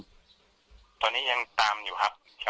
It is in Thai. ตอนนี้ยังตามอยู่ครับ